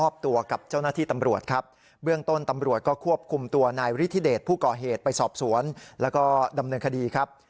ส่วนส่วนแล้วก็ดำเนินคดีครับ